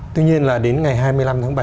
tuy nhiên là đến ngày hai mươi năm tháng bảy